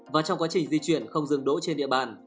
và trong quá trình di chuyển không dừng đỗ trên địa bàn